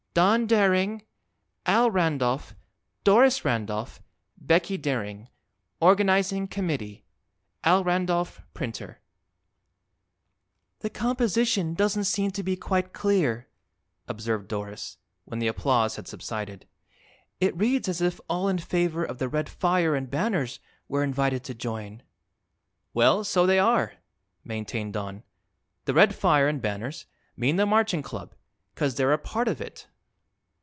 Don Daring, Al Randolph, Doris Randolph, Becky Daring, Organizing Committee. (Al Randolph, Printer) "The composition doesn't seem to be quite clear," observed Doris, when the applause had subsided. "It reads as if all in favor of the red fire and banners were invited to join." "Well, so they are," maintained Don. "The red fire an' banners mean the Marching Club, 'cause they're a part of it."